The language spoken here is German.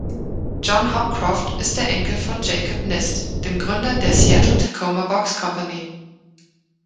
John Hopcroft ist der Enkel von Jacob Nist, dem Gründer der Seattle-Tacoma Box Company.